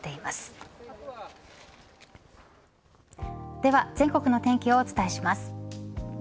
では全国の天気をお伝えします。